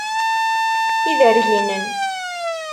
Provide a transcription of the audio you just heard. Iderginen.